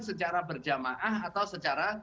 secara berjamaah atau secara